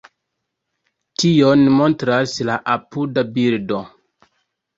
Tion montras la apuda bildo.